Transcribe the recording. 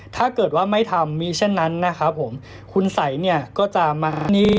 ถ้าเกิดว่าไม่ทำมีเช่นนั้นนะครับผมคุณสัยเนี่ยก็จะมานี่